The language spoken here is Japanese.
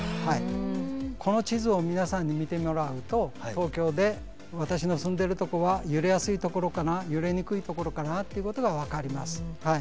この地図を皆さんに見てもらうと東京で私の住んでるとこは揺れやすいところかな揺れにくいところかなっていうことが分かります。